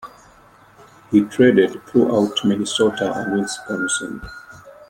He traded throughout Minnesota and Wisconsin.